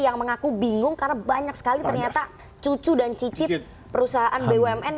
yang mengaku bingung karena banyak sekali ternyata cucu dan cicit perusahaan bumn